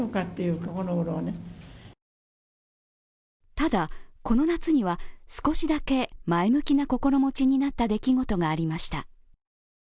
ただ、この夏には少しだけ前向きな心持ちになった出来事がありました。